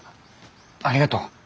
ありがとう。